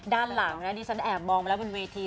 ด้านหลังนะดิฉันแอบมองมาแล้วบนเวที